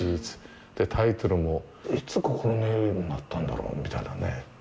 タイトルも、いつ「心の色」になったんだろうみたいなね。